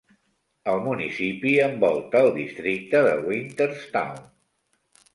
El municipi envolta el districte de Winterstown.